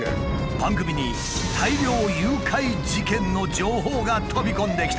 番組に大量誘拐事件の情報が飛び込んできた！